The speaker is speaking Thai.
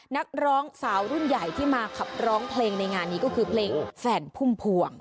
นักร้องสาวรุ่นใหญ่ที่มาขับร้องเพลงในงานนี้ก็คือเพลงแฟนพุ่มพวง